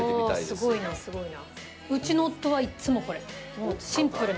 おおすごいなすごいな。